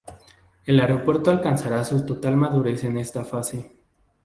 El aeropuerto alcanzará su total madurez en esta fase.